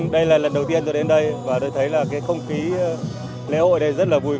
đây là lần đầu tiên tôi đến đây và tôi thấy là cái không khí lễ hội này rất là vui vẻ